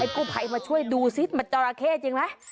กู้ภัยมาช่วยดูซิมันจราเข้จริงไหม